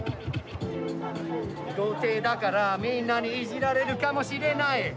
童貞だからみんなにイジられるかもしれない！